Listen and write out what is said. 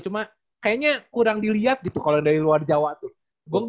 cuma kayaknya kurang dilihat gitu kalau dari luar jawa tuh